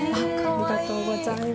ありがとうございます。